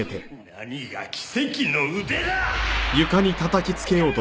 何が奇跡の腕だ！